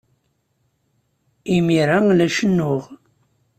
Imir-a, la cennuɣ.